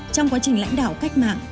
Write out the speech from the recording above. trong quá trình lãnh đạo cách mạng